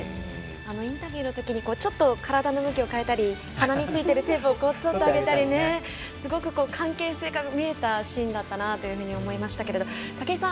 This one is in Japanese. インタビューのときにちょっと体の向きを変えたり鼻についているテープをとってあげたりすごく関係性が見えたシーンだったなと思いましたが武井さん